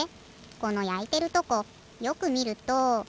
このやいてるとこよくみると。